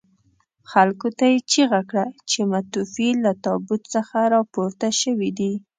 خلکو ته یې چيغه کړه چې متوفي له تابوت څخه راپورته شوي دي.